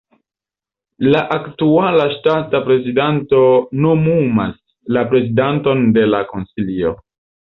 La aktuala ŝtata prezidanto nomumas la prezidanton de la konsilio.